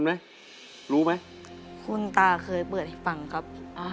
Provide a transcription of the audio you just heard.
มีแบบได้คุณตาเคยเปิดสังคมครับ